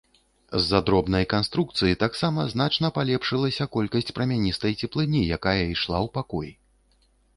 З-за дробнай канструкцыі таксама значна палепшылася колькасць прамяністай цеплыні, якая ішла ў пакой.